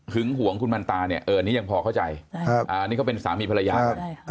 หึ้งหวงคุณมันตานี่ยังพอเข้าใจอันนี้ก็เป็นสามีภรรยา